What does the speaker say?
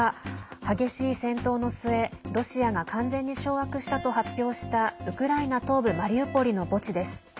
激しい戦闘の末、ロシアが完全に掌握したと発表したウクライナ東部マリウポリの墓地です。